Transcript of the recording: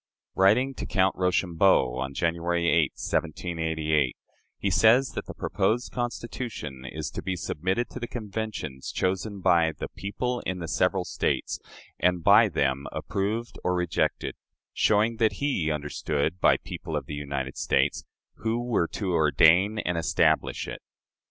Writing to Count Rochambeau, on January 8, 1788, he says that the proposed Constitution "is to be submitted to conventions chosen by the people in the several States, and by them approved or rejected" showing what he understood by "the people of the United States," who were to ordain and establish it.